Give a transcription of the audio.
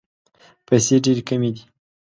پیسې ډېري کمي دي.